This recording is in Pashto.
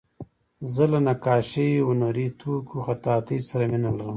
زه له نقاشۍ، هنري توکیو، خطاطۍ سره مینه لرم.